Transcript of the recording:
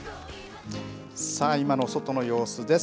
さあ、今の外の様子です。